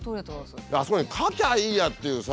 あそこに描きゃいいやっていうさ。